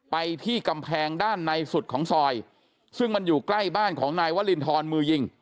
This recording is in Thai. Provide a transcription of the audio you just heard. ไปที่กำแพงด้านในสุดของซอยซึ่งมันอยู่ใกล้บ้านของนายวรินทรมือยิง